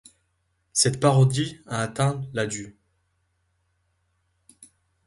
Cette parodie a atteint la du '.